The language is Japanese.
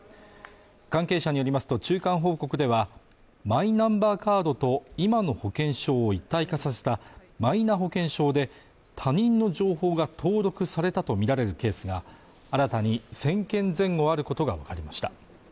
関係者によりますと中間報告ではマイナンバーカードと今の保険証を一体化させたマイナ保険証で他人の情報が登録されたと見られるケースが新たに１０００件前後あることが分かりました